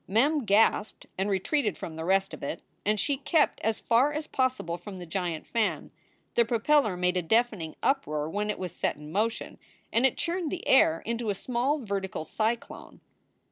Mem gasped and retreated from the rest of it, and she kept as far as possible from the giant fan. The propeller made a deafening uproar when it was set in motion, and it churned the air into a small vertical cyclone.